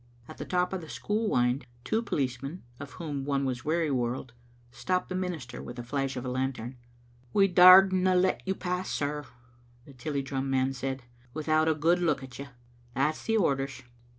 At the top of the school wynd two policeman, of whom one was Wearyworld, stopped the minister with the flash of a lantern. " We dauredna let you pass, sir," the Tilliedrum man said, "without a good look at you. That's the orders."